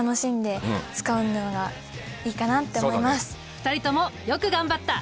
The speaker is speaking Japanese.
２人ともよく頑張った。